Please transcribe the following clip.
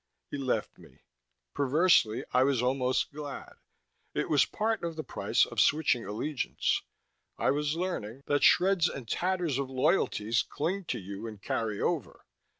He left me. Perversely, I was almost glad. It was part of the price of switching allegiance, I was learning, that shreds and tatters of loyalties cling to you and carry over.